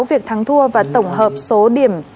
việc thắng thua và tổng hợp số điểm